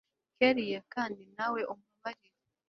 kellia kandi nawe umbabarire